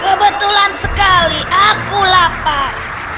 kebetulan sekali aku lapar